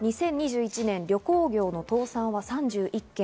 ２０２１年、旅行業の倒産は３１件。